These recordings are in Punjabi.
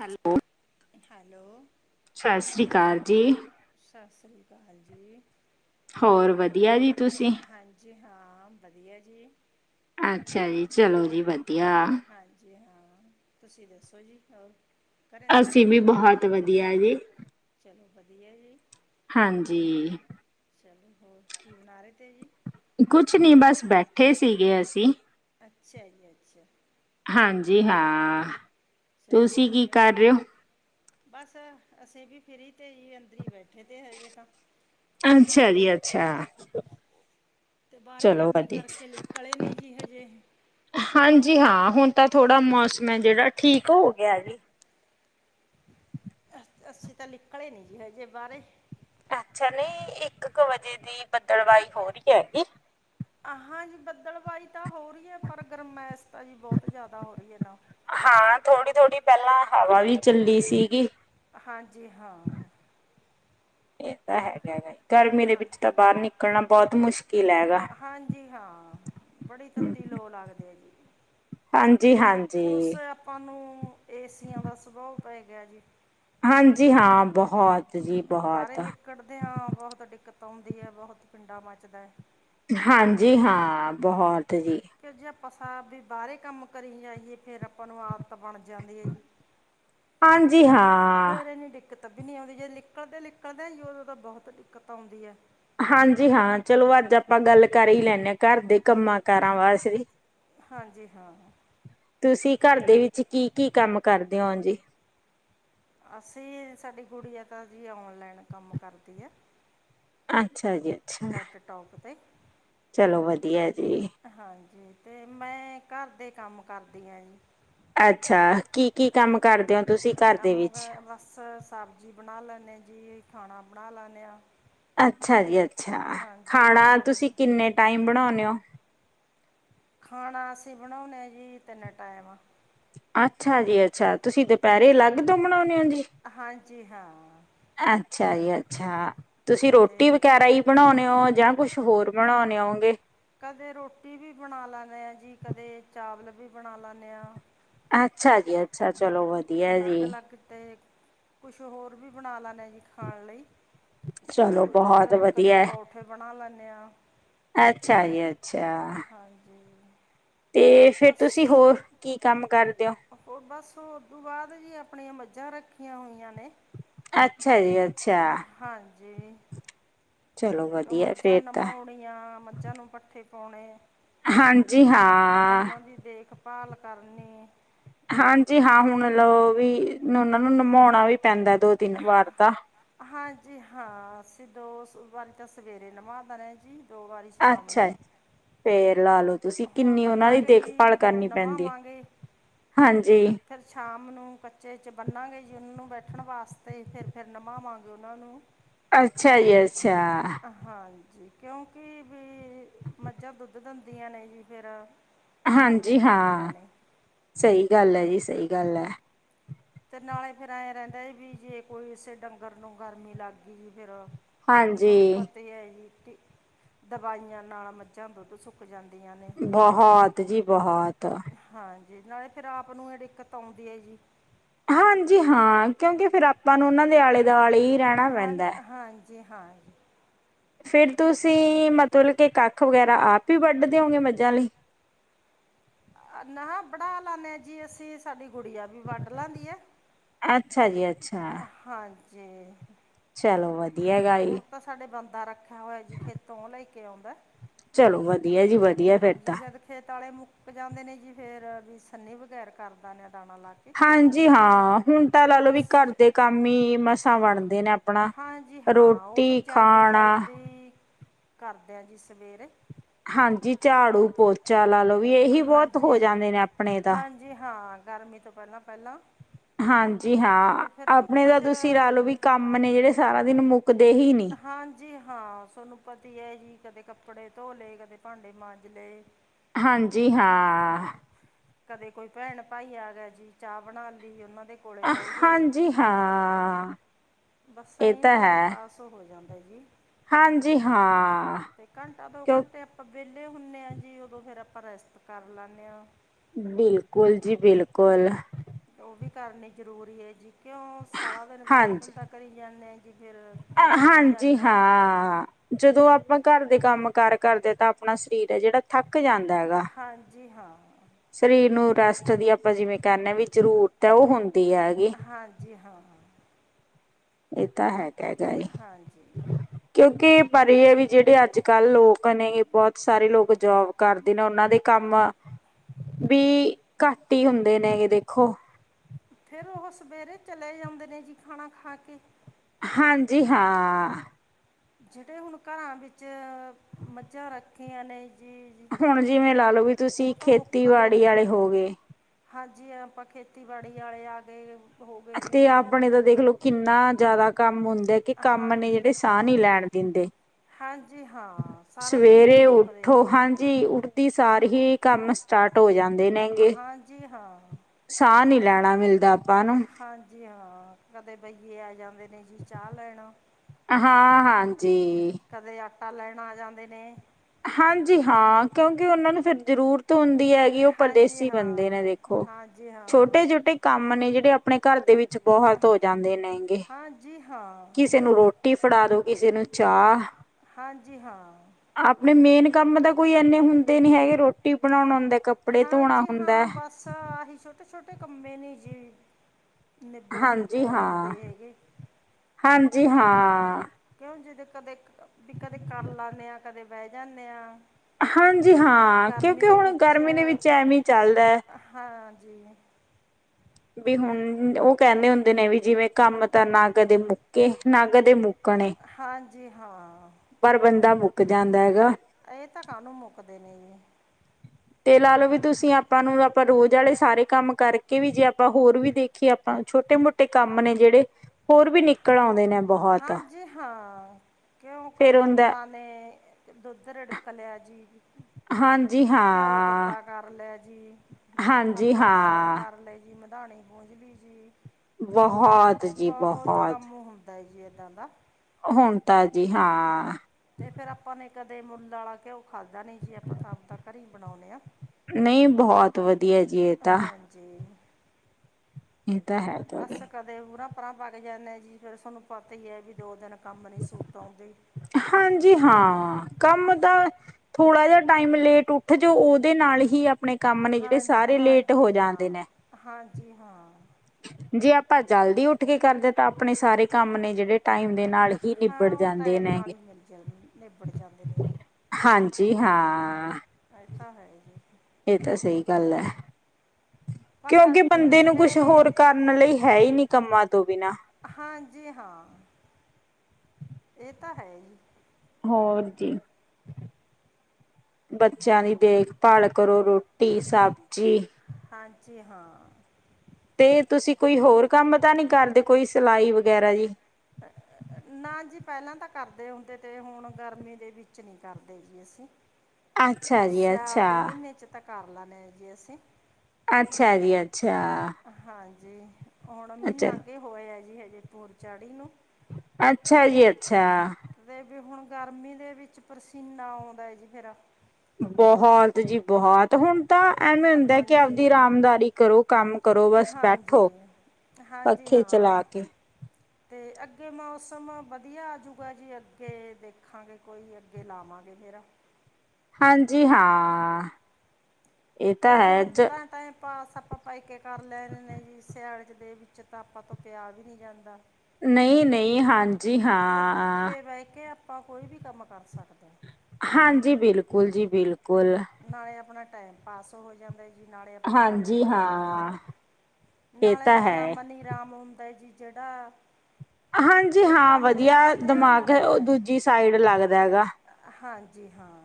ਹੈਲੋ, ਹੈਲੋ ਸਾਸਰੀ ਕਾਲ ਜੀ। ਸਾਸਰੀ ਕਾਲ ਜੀ। ਹੋਰ ਵਧੀਆ ਜੀ ਤੁਸੀਂ ਹਾਂਜੀ ਹਾਂ ਵਧੀਆ ਜੀ। ਅੱਛਾ ਜੀ ਚਲੋ ਜੀ ਵਧੀਆ ਹਾਂਜੀ ਤੁਸੀਂ ਦੱਸੋ ਜੀ ਹੋਰ ਘਰੇ ਸਾਰੇ ਅਸੀਂ ਵੀ ਠੀਕ ਨੇ ਬਹੁਤ ਜੀ ਵਧੀਆ ਜੀ। ਚਲੋ ਵਧੀਆ ਜੀ। ਹਾਂਜੀ ਚਲੋ ਹੋਰ ਕੀ ਬਣਾ ਰੇ ਤੇ ਜੀ। ਕੇ ਸੀਗੇ ਅਸੀਂ ਅੱਛਾ ਜੀ ਅੱਛਾ ਹਾਂਜੀ ਹਾਂ ਚਲੋ ਤੁਸੀਂ ਕੀ ਵਧੀਆ ਗਾ। ਕਰ ਰੇ ਓ? ਬਸ ਅਸੀਂ ਵੀ ਫ੍ਰੀ ਤੇ ਹੀ ਅੰਦਰ ਈ ਬੈਠੇ ਤੇ ਹਜੇ ਤਾਂ ਹੋ ਅੱਛਾ ਜੀ ਅੱਛਾ ਤੇ ਬਾਰੇ ਚਲੋ ਗਰਮੀ ਵਧੀਆ ਕਰਕੇ ਲਿਕਲੇ ਨੀ ਜੀ ਹਜੇ ਜੀ ਹਾਂ ਹੁਣ ਤਾਂ ਥੋੜਾ ਮੌਸਮ ਐ ਜੇੜਾ ਠੀਕ ਹੋ ਗਿਆ ਜੀ। ਅਸੀਂ ਤਾਂ ਨਿਕਲੇ ਨੀ ਜੀ ਹਜੇ ਬਾਹਾਰੇ ਅੱਛਾ ਨਹੀਂ ਇੱਕ ਕ ਵਜੇ ਦੀ ਬਦਲਵਾਈ ਹੋ ਰੀ ਹੈਗੀ। ਆ ਹਾਂ ਜੀ ਬਦਲਵਾਈ ਤਾਂ ਹੋ ਰੀ ਐ ਪਰ ਗਰਮੈਸ਼ ਤਾਂ ਜੀ ਬੋਤ ਜਾਦਾ ਹੋ ਰਈ ਏ ਨਾ। ਹਾਂ ਥੋੜ੍ਹੀ- ਥੋੜ੍ਹੀ ਪੈਲਾਂ ਹਵਾ ਵੀ ਚੱਲੀ ਸੀਗੀ। ਹਾਂਜੀ ਹਾਂ। ਏ ਤਾਂ ਹੈਗਾ- ਹੈਗਾ ਗਰਮੀ ਦੇ ਹਾਂ ਵਿੱਚ ਤਾਂ ਬਾਰ ਨਿਕਲਣਾ ਬਹੁਤ ਮੁਸ਼ਕਿਲ ਹੈਗਾ। ਹਾਂਜੀ ਹਾਂ ਬੜੀ ਤੱਤੀ ਲੋ ਲੱਗਦੀ। ਹਾਂਜੀ ਹਾਂਜੀ ਏ ਸੀਆਂ ਦਾ ਸੁਭਾਓ ਪੈ ਗਿਆ ਜੀ। ਹਾਂਜੀ ਹਾਂ ਬਹੁਤ ਜੀ ਬਾਰੇ ਬਹੁਤ ਲਿਕੜਦੇ ਆਂ ਬਹੁਤ ਦਿੱਕਤ ਆਉਂਦੀ ਏ ਬਹੁਤ ਪਿੰਡਾਂ ਮਚਦਾ ਐ। ਹਾਂਜੀ ਹਾਂ ਬਹੁਤ ਜੀ। ਫਿਰ ਜੇ ਆਪਾਂ ਸਾਰਾ ਦਿਨ ਬਾਰੇ ਕੰਮ ਕਰੀ ਜਾਈਏ, ਫੇਰ ਆਪਾਂ ਨੂੰ ਆਪ ਬਣ ਜਾਂਦੀ ਏ ਜੀ ਹਾਂਜੀ ਹਾਂ ਫੇਰ ਏਨੀ ਦਿੱਕਤ ਦਿਕਤ ਵੀ ਨੀ ਆਉਂਦੀ ਜੇ ਲਿਕਲਦੇ ਲਿਕਲਦੇ ਉਦੋਂ ਤਾਂ ਬਹੁਤ ਦਿੱਕਤ ਆਉਂਦੀ ਐ। ਹਾਂਜੀ ਹਾਂ ਚਲੋ ਅੱਜ ਆਪਾਂ ਗੱਲ ਕਰ ਈ ਲੈਂਣੇ ਘਰ ਦੇ ਕੰਮਾਂ ਕਾਰਾਂ ਵਾਸੇ ਹਾਂਜੀ ਹਾਂ ਤੁਸੀਂ ਘਰ ਦੇ ਵਿੱਚ ਕੀ- ਕੀ ਕੰਮ ਕਰਦੇ ਓਂ ਜੀ? ਅਸੀਂ ਸਾਡੀ ਗੁੜੀਆਂ ਤਾਂ ਜੀ ਓਨਲਾਈਨ ਕੰਮ ਕਰਦੀ ਐ। ਅੱਛਾ ਜੀ ਅੱਛਾ ਤੇ ਚਲੋ ਵਧੀਆ ਜੀ। ਹਾਂਜੀ ਤੇ ਮੈਂ ਘਰ ਦੇ ਕੰਮ ਕਰਦੀ ਆਂ ਜੀ। ਅੱਛਾ ਕੀ -ਕੀ ਕੰਮ ਕਰਦੇ ਓ ਤੁਸੀਂ ਘਰ ਦੇ ਕੰਮ ਵਿੱਚ ਕ ਬਸ ਸਬਜ਼ੀ ਬਣਾ ਲੈਂਦੇ ਹ ਜੀ ਖਾਣਾ ਬਣਾ ਲੈਂਦੇੇ ਆਂ। ਅੱਛਾ ਜੀ ਅੱਛਾ ਖਾਣਾ ਤੁਸੀਂ ਕਿੰਨੇ ਟਾਈਮ ਬਣਾਣੇ ਹੋ। [inaudible] ਖਾਣਾ ਅਸੀਂ ਬਣਾਉਣੇ ਹ ਜੀ ਤਿੰਨ ਟਾਈਮ ਅੱਛਾ ਜੀ ਅੱਛਾ ਤੁਸੀਂ ਦੁਪਹਿਰੇ ਅਲੱਗ ਤੋਂ ਬਣਾਉਂਣੇ ਹੋ ਜੀ। ਹਾਂਜੀ ਹਾਂ। ਅੱਛਾ ਜੀ ਅੱਛਾ ਤੁਸੀਂ ਅਤੇ ਰੋਟੀ ਵਗੈਰਾ ਹੀ ਬਣਾਉਂਣੇ ਹੋ ਜਾਂ ਕੁਛ ਹੋਰ ਬਣਾਉਂਣੇ ਹੋਂਓਗੇ। ਕਦੇ ਰੋਟੀ ਵੀ ਬਣਾ ਲੈਂਦੇ ਆਂ ਜੀ ਕਦੇ ਚਾਵਲ ਵੀ ਬਣਾ ਲੈਦੇ ਆਂ। ਅੱਛਾ ਜੀ ਅੱਛਾ ਚਲੋ ਵਧੀਆ ਅਲੱਗ ਜੀ। ਅਲੱਗ ਅਤੇ ਕੁਛ ਹੋਰ ਵੀ ਬਣਾ ਲੈਣੇ ਜੀ ਖਾਣ ਲਈ ਚਲੋ ਬਹੁਤ ਕਦੇ ਕਦੇ ਵਧੀਆ ਪਰੌਠੇ ਬਣਾ ਲੈਂਦੇ ਆਂ। ਅੱਛਾ ਜੀ ਅੱਛਾ ਹਾਂਜੀ ਤੇ ਫਿਰ ਤੁਸੀਂ ਬਸ ਹੋਰ ਕੀ ਕੰਮ ਕਰਦ ਬਸ ਉਦੋਂ ਬਾਅਦ ਜੀ ਆਪਣੀਆਂ ਮੱਝਾਂ ਰੱਖੀਆਂ ਹੋਈਆਂ ਨੇ ਅੱਛਾ ਜੀ ਅੱਛਾ। ਹਾਂਜੀ ਚਲੋ ਵਧੀਆ ਮੱਝਾਂ ਫੇਰ ਤਾਂ ਨਮਾਉਣੀਆਂ ਮੱਝਾਂ ਨੂੰ ਪੱਠੇ ਪਾਉਣੇ। ਹਾਂਜੀ ਹਾਂ। ਭਾਲ ਕਰਨੀ। ਹਾਂਜੀ ਹਾਂ ਹੁਣ ਲ ਵੀ ਉਹਨਾਂ ਨੂੰ ਨਭਾਉਣਾ ਵੀ ਪੈਂਦਾ ਦੋ ਤਿੰਨ ਵਾਰ ਤਾਂ। ਹਾਂਜੀ ਹਾਂ ਅਸੀ ਦੋ ਵਾਰੀ ਤਾਂ ਸਵੇਰੇ ਨਵਾ ਦੇਣਾ ਜੀ। ਦੋ ਵਾਰੀ ਸ਼ਾਮ ਅੱਛਾ ਨੂੰ ਫੇਰ ਲਾ ਲਓ ਤੁਸੀਂ ਹੁਣ ਕਿੰਨੀ ਉਹਨਾਂ ਦੀ ਬੰਨਾਂਗੇ ਜੀ ਦੇਖਭਾਲ ਹੁਣ ਕਰਨੀ ਪੈਂਦੀ ਹਾਂਜੀ। ਫੇਰ ਸ਼ਾਮ ਨੂੰ ਕੱਚੇ ਚ ਬੰਨਾਂਗੇ ਜੀ। ਨੂੰ ਬੈਠਣ ਵਾਸਤੇ ਫਿਰ-ਫਿਰ ਨਵਾਵਾਂਗੇ ਉਨਾਂ ਨੂੰ। ਅੱਛਾ ਜੀ ਅੱਛਾ। ਹਾਂਜੀ ਕਿਉਂਕਿ ਵੀ ਮੱਝਾਂ ਦੁੱਧ ਦਿੰਦੀਆਂ ਨੇ ਜੀ ਫਿਰ ਗਰਮੀ ਹਾਂਜੀ ਮੰਨਦੀਆਂ ਹਾਂ ਨੇ ਸਹੀ ਗੱਲ ਹੈ ਜੀ, ਸਹੀ ਗੱਲ ਹੈ। ਤੇ ਨਾਲੇ ਫੇਰ ਰਹਿੰਦਾ ਵੀ ਜੇ ਕੋਈ ਇਸੇ ਡੰਗਰ ਨੂੰ ਗਰਮੀ ਲੱਗ ਗਈ ਜੀ ਫੇਰ ਸੁਣੂੰ ਹਾਂਜੀ ਪਤਾ ਹੈ ਜੀ ਦਵਾਈਆਂ ਨਾਲ ਮੱਝਾਂ ਦੁੱਧ ਸੁੱਕ ਜਾਂ ਬਹੁਤ ਜੀ ਬਹੁਤ। ਜੀ ਨਾਲੇ ਫੇਰ ਆਪ ਨੂੰ ਇਹ ਦਿੱਕਤ ਆਉਂਦੀ ਹੈ ਜੀ। ਹਾਂਜੀ ਹਾਂ ਕਿਉਂਕਿ ਫਿਰ ਆਪਾਂ ਨੂੰ ਉਹਨਾਂ ਦੇ ਆਲੇ ਦੁਆਲੇ ਹੀ ਰਹਿਣਾ ਪੈਂਦਾ। [unintelligible] ਹਾਂ ਫਿਰ ਤੁਸੀਂ ਮਤਲਬ ਕੇ ਕੱਖ ਵਗੈਰਾ ਆਪ ਹੀ ਵੱਢਦੇਓਗੇ ਮੱਝਾਂ ਲਈ। ਨਾ ਬਢਾ ਲਾਦੇੇ ਆ ਜੀ ਅਸੀਂ ਸਾਡੀ ਗੁੜੀਆ ਵੀ ਵੰਢ ਲਾਂਦੀ ਆ। ਅੱਛਾ ਜੀ ਅੱਛਾ ਹਾਂਜੀ ਚਲੋ ਵਧੀ ਹੁਣ ਤਾਂ ਸਾਡੇ ਬੰਦਾ ਰੱਖਿਆ ਹੋਇਆ ਜੀ ਖੇਤੋਂ ਲੈ ਕੇ ਆਉਂਦਾ। ਚਲੋ ਵਧੀਆ ਜੀ ਵਧੀਆ ਫੇਰ ਤਾਂ। ਜਾਦੇ ਨੇ ਜੀ ਫੇਰ ਵੀ ਸੰਨੀ ਵਗੈਰ ਕਰਦਾ ਨੇ ਹਾਂਜੀ ਹਾਂ ਹੁਣ ਤਾਂ ਲਾ ਲਓ ਉਹ ਵੀ ਅਸ ਘਰ ਦੇ ਕੰਮ ਹੀ ਮਸਾਂ ਵਣਦੇ ਨੇ ਆਪਣਾ। ਹਾਂਜੀ ਹਾਂ ਉਹ ਵੀ ਰੋਟੀ ਖਾਣਾ ਜਲਦੀ-ਜਲਦੀ ਕਰਦੇ ਆਂ ਜੀ ਸਵੇਰੇ। ਹਾਂਜੀ ਝਾੜੂ ਪੋਚਾ ਲਾਲੋ ਵੀ ਇਹੀ ਬਹੁਤ ਹਾਂਜੀ ਹੋ ਜਾਂਦੇ ਨੇ ਆਪਣੇ ਤਾਂ। ਹਾਂਜੀ ਹਾਂ ਗਰਮੀ ਤੋਂ ਪਹਿਲਾਂ ਪਹਿਲਾਂ ਹਾਂਜੀ ਹਾਂ ਵੀ ਫਿਰ ਆਪਣੇ ਧੁੱਪ ਤਾਂ 'ਚ ਤੁਸੀਂ ਲਾ ਲਓ ਵੀ ਕੰਮ ਨੇ ਜਿਹੜੇ ਸਾਰਾ ਦਿਨ ਮੁਕ ਹਾਂਜੀ ਹਾਂ ਸੋਨੂ ਪਤੀ ਹੈ ਜੀ ਕਦੇ ਕੱਪੜੇ ਧੋ ਲਏ ਕਦੇ ਭਾਂਡੇ ਮਾਂਜ ਲਏ। ਹਾਂਜੀ ਹਾਂ। ਕਦੇ ਕੋਈ ਭੈਣ ਭਾਈ ਆ ਗਿਆ ਜੀ ਚਾਹ ਬਣਾ ਲਈ ਉਹਨਾਂ ਦੇ ਕੋਲੇ ਬਹਿ ਹਾਂਜੀ ਹਾਂ। ਬੱਸ ਇਹ ਐਹੀ ਤਾਂ ਟਾਈਮ ਹੈ ਪਾਸ ਹੋ ਜਾਂਦਾ ਜੀ। ਹਾਂਜੀ ਹਾਂ। ਤੇ ਘੰਟਾ ਦੋ ਕਿਉਂ ਘੰਟੇ ਆਪਾਂ ਵਿਹਲੇ ਹੁੰਦੇ ਆ ਜੀ ਉਦੋਂ ਫੇਰ ਆਪਾਂ ਰੈਸਟ ਕਰ ਲੈਨੇ ਆ। ਬਿਲਕੁਲ ਜੀ ਬਿਲਕੁਲ। ਉਹ ਵੀ ਕਰਨੀ ਜਰੂਰੀ ਹੈ ਜੀ ਕਿਉਂ ਸਾਰਾ ਦਿਨ ਕੰਮ ਹਾਂਜੀ ਧੰਦਾ ਕਰੀ ਜਾਨੇ ਹਾਂਜੀ ਹਾਂ ਜਦੋਂ ਆਪਾਂ ਘਰ ਕੰਮ ਕਰ ਕਰਦੇ ਤਾਂ ਆਪਣਾ ਸਰੀਰ ਹੈ ਜਿਹੜਾ ਥੱਕ ਜਾਂਦਾ ਹੈਗਾ। ਜੀ ਹਾਂ। ਸਰੀਰ ਨੂੰ ਰੈਸਟ ਦੀ ਆਪਾਂ ਜਿਵੇਂ ਕਹਿਨੇ ਵੀ ਜ਼ਰੂਰਤ ਹੈ ਉਹ ਹੁੰ ਹਾਂਜੀ ਹਾ। ਇਹ ਤਾਂ ਹੈਗਾ ਦਾ ਈ ਹਾਂਜੀ ਕਿਉਂ ਕਿ ਇਹ ਪਰ ਹੈ ਵੀ ਜਿਹੜੇ ਅੱਜ ਕੱਲ੍ਹ ਲੋਕ ਨੇ ਬਹੁਤ ਸਾਰੇ ਲੋਕ ਜੋਬ ਕਰਦੇ ਨੇ ਉਹਨਾਂ ਦੇ ਕੰਮ ਵੀ ਘੱਟ ਹੀ ਹੁੰਦੇ ਨੇਗੇ, ਦੇਖੋ ਫੇਰ ਉਹ ਸਵੇਰੇ ਚਲੇ ਜਾਂਦੇ ਨੇ ਜੀ, ਖਾਣਾ ਖਾ ਕੇ ਹਾਂਜੀ ਹਾਂ ਜਿਹੜੇ ਹੁਣ ਘਰਾਂ ਵਿੱਚ ਮੱਝਾਂ ਰੱਖੀਆਂ ਨੇ ਜੀ ਹੁਣ ਜਿਵੇਂ ਲਾ ਲਓ ਵੀ ਉਹ ਤੁਸੀਂ ਤਾਂ ਮੁੱਕਦੇ ਖੇਤੀਬਾੜੀ ਨਹੀਂ ਵਾਲੇ ਜੀ ਹੋ ਗਏ ਹਾਂਜੀ, ਆਪਾਂ ਖੇਤੀਬਾੜੀ ਆਲੇ ਆ ਗਏ ਹੋ ਗਏ ਤੇ ਜਿਵੇਂ ਆਪਣੇ ਤਾਂ ਦੇਖਲੋ ਕਿੰਨਾ ਜ਼ਿਆਦਾ ਕੰਮ ਹੁੰਦਾ ਕਿ ਕੰਮ ਨੇ ਹਾਂਜੀ ਜਿਹੜੇ ਸਾਹ ਹਾਂ ਨ ਲੈਣ ਦਿੰਦੇ ਹਾਂਜੀ ਹਾਂ ਸਾਰਾ ਦਿਨ ਹੀ ਨਹੀਂ ਸਵੇਰੇ ਮੁੱਕਦੇ ਉੱਠੋ, ਜੀ ਹਾਂਜੀ ਉੱਠਦੀ ਸਾਰ ਹੀ ਕੰਮ ਸਟਾਰਟ ਹੋ ਜਾ ਨੇਗੇ, ਹਾਂਜੀ ਹਾਂ ਸਾਹ ਨੀ ਲੈਣਾ ਮਿਲਦਾ ਆਪਾਂ ਨੂੰ ਹਾਂਜੀ ਹਾਂ ਕਦੇ ਬਹੀਏ ਆ ਜਾਂਦੇ ਨੇ ਜੀ ਚਾਹ ਲੈਣ ਹਾਂ ਹਾਂਜੀ ਟਾ ਲੈਣ ਆ ਜਾਂਦੇ ਨੇ ਹਾਂਜੀ ਹਾਂ, ਕਿਉਂਕਿ ਉਹਨਾਂ ਨੂੰ ਫਿਰ ਜ਼ਰੂਰ ਹੁੰਦੀ ਹੈਗੀ, ਉਹ ਹਾਂਜੀ ਪਰਦੇਸੀ ਬੰਦੇ ਨੇ ਹਾਂ ਦੇਖੋ, ਹਾਂਜੀ ਹਾਂ ਛੋਟੇ ਛੋਟੇ ਕੰਮ ਨੇ ਜਿਹੜੇ ਆਪਣੇ ਘਰ ਦੇ ਵਿੱਚ ਬਹੁਤ ਹੋ ਜਾਂਦੇ ਨੇਗੇ, ਹਾਂਜੀ ਹਾਂ ਕਿਸੇ ਨੂੰ ਰੋ ਰਟੀ ਫੜਾ ਦੋ ਕਿਸੇ ਨੂੰ ਚਾਹ ਹਾਂਜੀ, ਹਾਂ। ਅਪਣੇ ਮੇਨ ਕੰਮ ਤਾਂ ਕੋਈ ਏਨੇ ਹੁੰਦੇ ਨੀ ਹੈਗੇ ਰੋਟੀ ਰੋਟੀ ਬਣਾਉਣਾ ਹੁੰਦਾ ਕੱਪੜੇ ਧੋਣਾ ਹਾਂਜੀ ਹੁੰਦਾ ਹਾਂ ਬਸ ਆਹੀ ਛੋਟੇ ਛੋਟੇ ਕੰਮੇ ਨੀ ਜੀ ਨਿਬੜਨ ਚ ਹਾਂਜੀ ਆਉਂਦੇ, ਹਾਂ ਹੈਗੇ ਹਾਂਜੀ ਹਾਂ ਕਿਉਂ ਜਿਦ ਕਦੇ ਵੀ ਕਦੇ ਕਰ ਲੈਂਨੇ ਆ, ਕਦੇ ਬਹਿ ਜਾਂਨੇ ਆ ਹਾਂਜੀ ਹਾਂ, ਕਿਉਂਕਿ ਹੁਣ, ਵਿੱਚ ਗਰਮੀ ਦੇ ਵਿੱਚ ਐਵੇ ਈ ਚੱਲਦੇ ਜੀ ਵੀ ਹੁਣ ਉਹ ਕਹਿੰਦੇ ਹੁੰਦੇ ਨੇ ਵੀ ਜਿਵੇਂ, ਕੰਮ ਤਾਂ ਨਾ ਕਦੇ ਮੁੱਕੇ ਨਾ ਕਦੇ ਮੁੱਕ ਖਣੇ ਜੀ ਹਾਂ ਪਰ ਬੰਦਾ ਮੁੱਕ ਜਾਂਦਾ ਹੈਗਾ ਇਹ ਤਾਂ ਕਾਹਨੋ ਨੂੰ ਮੁੱਕਦੇ ਨੇ ਜੀ ਤੇ ਲਾ ਲਓ ਵੀ ਤੁਸੀਂ ਆਪਾਂ ਨੂੰ ਆਪਾਂ ਰੋਜ਼ ਆਲੇ ਸਾਰੇ ਕੰਮ ਕਰਕੇ ਵੀ ਜੇ ਆਪਾਂ ਹੋਰ ਵੀ ਦੇਖੀਏ ਆਪਾਂ ਛੋਟੇ ਮੋਟੇ ਕੰਮ ਨੇ ਜਿਹੜੇ ਹੋਰ ਵੀ ਨਿਕਲ ਆਉਂ ਹਾਂਜੀ ਹਾਂ ਕਿਉਂ ਫੇਰ ਕਦੇ ਹੁੰਦਾ ਆਪਾਂ ਨੇ ਦੁੱਧ ਰੜਕ ਲਿਆ ਜੀ ਹਾਂਜੀ ਘਿਓ ਹਾਂ ਤੱਤਾ ਕਰ ਲੈ ਜੀ, ਹਾਂਜੀ ਬਰਤਨ ਸਾਫ਼ ਹਾਂ ਕਰ ਲੈ ਜੀ ਮਬ ਦਾਣੇ ਪੂੰਝਲੀ ਜੀ ਬਹੁਤ ਜੀ ਬਹੁਤ ਕੰਮ ਹੁੰਦਾ ਜੀ ਏਦਾਂ ਦਾ ਹੁਣ ਤਾ ਜੀ ਹਾਂ ਤੇ ਫੇਰ ਆਪਾਂ ਨੇ ਕਦੇ ਮੁੰਲ ਆਲਾ ਘਿਉ ਖਾਧ ਨੀ ਜੀ ਆਪਾਂ ਤਾਂ ਆਪਦਾ ਘਰ ਹੀ ਬਣਾਉਣੇ ਆ। ਦੀ ਏ ਜੀ ਏਦਾ ਇਹ ਤਾਂ ਹੈ ਤਾਂ ਵਈ ਕੱਪਰਾਂ ਪਗ ਜਾਂਦੇ ਜੀ, ਫਿਰ ਤੁਹਾਨੂੰ ਪਤਾ ਹੀ ਹੈ ਵੀ ਦੋ ਦਿਨ ਕੰਮ ਨਹੀਂ ਸੂਟ ਆਉਂਦੇ ਹਾਂਜੀ ਹਾਂ ਕੰਮ ਤਾਂ ਥੋੜਾ ਜਿਹਾ ਟਾਈਮ ਲੇਟ ਉੱਠ ਜੋਓ, ਉਹਦੇ ਨਾਲ ਹੀ ਅਪਣੇ ਕੰਮ ਨੇ ਜਿਹੜੇ ਹਾਂ ਸਾਰੇ ਲੇਟ ਹੋ ਜਾਂਦੇ ਨੇ ਜੀ ਹਾਂ। ਜੇ ਆਪਾਂ ਜਲਦੀ ਉੱਠ ਕੇ ਕਰਦੇ ਤਾਂ ਅਪਣੇ ਸਾਰੇ ਕੰਮ ਨੇ ਜਿਹੜੇ ਟਾਈਮ ਦੇ ਨਾਲ ਹੀ ਨਿਬੜ ਹਾਂ ਉਹ ਜਾਂਦੇ ਟਾਈਮ ਨੇ ਨਾਲ ਹੀ ਮਿਲ ਜਾਂ, ਨਿਬੜ ਜਾਂਦੇ ਨੇ ਹਾਂਜੀ ਹਾਂ ਇਹ ਤਾਂ ਹੈ ਜੀ ਇਹ ਤਾਂ ਸਹੀ ਗੱਲ ਹੈ। ਪਰ ਕਿਉਂਕਿ ਤੜਕੇ ਬੰਦੇ ਨੂੰ ਕੁਛ ਸਵੇਰੇ ਹੋਰ ਉ ਕਰਨ ਲਈ ਹੈ ਹੀ ਨੀ ਕੰਮਾਂ ਤੋਂ ਬਿਨਾਂ ਹਾਂਜੀ ਹਾਂ ਇਹ ਤਾਂ ਹੈ ਈ। ਹੋਰ ਜੀ। ਬੱਚਿਆਂ ਦੀ ਦੇਖਭਾਲ ਕਰੋ ਰੋਟੀ ਸਬਜ਼ੀ ਹਾਂਜੀ ਹਾਂ। ਤੇ ਤੁਸੀਂ ਕੋਈ ਹੋਰ ਕੰਮ ਤਾਂ ਨਹੀਂ ਕਰਦੇ ਕੋਈ ਸਿਲਾਈ ਵਗੈਰਾ ਜੀ। [inaudible] ਨਾ ਜੀ ਪਹਿਲਾਂ ਤਾਂ ਕਰਦੇ ਹੁੰਦੇ ਤੇ ਹੁਣ ਗਰਮੀ ਦੇ ਵਿੱਚ ਨੀ ਕਰਦੇ ਨੀ ਅਸੀਂ ਅੱਛਾ ਜੀ ਸਿਆਲ ਅੱਛਾ ਦੇ ਮਹੀਨੇ 'ਚ ਤਾਂ ਕਰ ਲੈਣੇ ਆ ਜੀ ਅਸੀਂ ਅੱਛਾ ਜੀ ਅੱਛਾ ਜੀ ਹੁਣ ਅੱਛਾ ਮਹੀਨਾ ਕੀ ਹੋਇਆ ਜੀ ਹਜੇ ਪੋੜੀ ਚਾੜੀ ਨੂੰ ਅੱਛਾ ਜੀ ਅੱਛਾ ਤੇ ਵੀ ਹੁਣ ਗਰਮੀ ਦੇ ਵਿੱਚ ਪਸੀਨਾ ਆਉਂਦਾ ਜੀ ਫੇਰ ਬਹੁਤ ਜੀ ਬਹੁਤ ਹੁਣ ਤਾਂ ਐਵੇਂ ਹੁੰਦਾ ਕਿ ਆਪਦੀ ਹਾਂਜੀ ਇਰਾਮਦਾਰੀ ਕਰੋ ਕੰਮ ਕਰੋ ਬਸ ਹਾਂਜੀ ਬੈਠੋ ਪੱਖੇ ਚਲਾ ਕੇ ਤੇ ਅੱਗੇ ਅੱਗੇ ਮੌਸਮ ਵਧੀਆ ਆਜੂਗਾ ਜੀ ਅੱਗੇ ਦੇਖਾਂਗੇ ਕੋਈ ਅੱਗੇ ਲਾਵਾਂਗੇ ਫੇਰ ਹਾਂਜੀ ਹਾਂ ਇਹ ਤਾਂ ਕਿਉਂ ਹੈ ਹੁਣ ਜ ਤਾਂ ਟਾਈਮ ਪਾਸ ਆਪਾਂ ਪਾਈ ਕੇ ਕਰ ਲੈਣੇ ਨੇ ਜੀ ਸਿਆਲ ਦੇ ਵਿੱਚ ਤਾਂ ਆਪਾਂ ਤੋਂ ਪਿਆ ਵੀ ਨੀ ਜਾਂਦਾ। ਨਹੀਂ-ਨਹੀਂ ਹਾਂ। ਕਿਉਂ ਧੁੱਪੇ ਬਹਿ ਕੇ ਆਪਾਂ ਕੋਈ ਵੀ ਕੰਮ ਕਰ ਸਕਦੇ ਆ। ਹਾਂਜੀ ਬਿਲਕੁਲ ਜੀ ਬਿਲਕੁਲ ਨਾਲੇ ਆਪਣਾ ਟਾਈਮ ਪਾਸ ਹੋ ਜਾਂਦਾ ਜੀ। ਜੀ ਨਾਲੇ ਆਪਣਾ ਕੰਮ ਹਾਂਜੀ ਬਣ ਜਾਂਦਾ ਹਾਂ ਇਹ ਨਾਲੇ ਤਾਂ ਹੈ ਆਪਣਾ ਮਨੀ ਰਾਮ ਹੁੰਦਾ ਜੀ। ਜਿਹੜਾ ਹਾਂਜੀ ਇਹ ਹਾਂ ਕੰਮ ਦੇ ਵਧੀਆ ਵਿੱਚ ਧਿਆਨ ਦਿਮਾਗ ਰਹਿੰਦਾ ਉਹ ਹੈ ਦੂਜੀ ਸਾਈਡ ਲੱਗਦਾ ਹੈਗਾ। ਜੀ ਹਾਂ।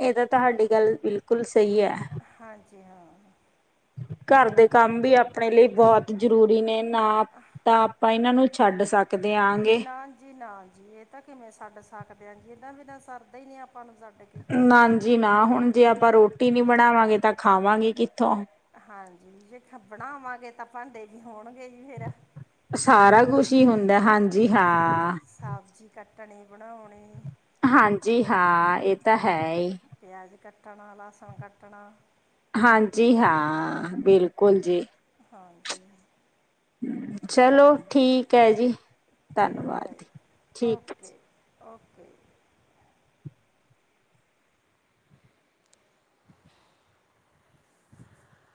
ਇਹ ਤਾਂ ਤੁਹਾਡੀ ਗੱਲ ਬਿਲਕੁਲ ਸਹੀ ਹੈ ਹਾਂਜੀ ਹਾਂ। ਘਰ ਦੇ ਕੰਮ ਵੀ ਆਪਣੇ ਲਈ ਬਹੁਤ ਜ਼ਰੂਰੀ ਨੇ ਨਾ ਤਾਂ ਆਪਾਂ ਇਹਨਾਂ ਨੂੰ ਛੱਡ ਸਕ ਨਾ ਜੀ ਨਾ ਜੀ ਇਹ ਤਾਂ ਕਿਵੇਂ ਛੱਡ ਸਕਦੇ ਆ ਜੀ ਇਹਨਾ ਵੀ ਤਾਂ ਸਰਦਾ ਹੀ ਨ ਆਪ ਨਾ ਜੀ ਨਾ ਹੁਣ ਜੇ ਆਪਾਂ ਰੋਟੀ ਨੀ ਬਣਾਵਾਂਗੇ ਤਾਂ ਖਾਵਾਂਗੇ ਕਿੱਥੋਂ ਹਾਂਜੀ ਜੇ ਖੱਪਣਾ ਆਵਾਂਗੇ ਤਾਂ ਭਾਂਡੇ ਵੀ ਹੋਣਗੇ ਜੀ ਫਿਰ ਸਾਰਾ ਕੁਛ ਹੀ ਹੁੰਦਾ ਹਾਂਜੀ ਹਾਂ। ਸਬਜ਼ੀ ਕੱਟਣੀ ਬਣਾਉਣੀ। ਹਾਂਜੀ ਹਾਂ ਇਹ ਤਾਂ ਹੈ ਈ। ਕੱਣਾ ਲਸਣ ਕੱਟਣਾ। ਹਾਂਜੀ ਹਾਂ ਬਿਲਕੁਲ ਜੀ। ਹਾਂਜੀ ਚਲੋ ਠੀਕ ਹੈ ਜੀ ਠੀਕ ਹੈ ਧੰਨਵਾਦ ਜੀ ਠੀਕ ਹੈ ਜੀ। Okay okay